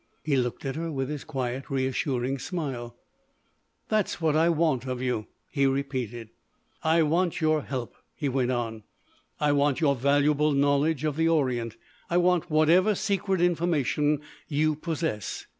He looked at her with his quiet, reassuring smile. "That's what I want of you," he repeated. "I want your help," he went on, "I want your valuable knowledge of the Orient. I want whatever secret information you possess.